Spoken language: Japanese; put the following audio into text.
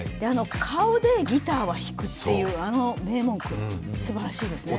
顔でギターは弾くっていう、あの名文句、すばらしいですね。